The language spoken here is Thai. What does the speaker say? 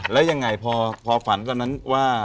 แล้วยังไงพอฝันตอนนั้นว่า